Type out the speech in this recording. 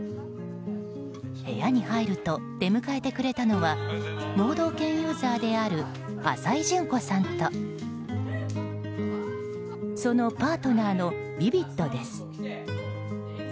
部屋に入ると出迎えてくれたのは盲導犬ユーザーである浅井純子さんとそのパートナーのヴィヴィッドです。